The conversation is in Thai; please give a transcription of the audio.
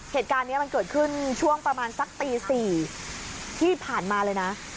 เหตุการณ์นี้มันเกิดขึ้นช่วงประมาณสักตี๔ที่ผ่านมาเลยนะ